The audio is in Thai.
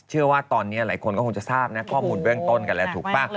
เชื่อว่าตอนนี้หลายคนก็คงจะทราบนะข้อมูลเบื้องต้นกันแล้วถูกป่ะ